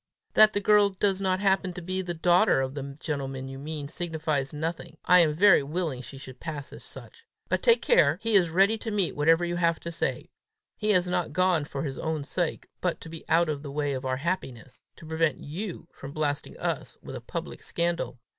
"That the girl does not happen to be the daughter of the gentleman you mean, signifies nothing: I am very willing she should pass for such. But take care. He is ready to meet whatever you have to say. He is not gone for his own sake, but to be out of the way of our happiness to prevent you from blasting us with a public scandal.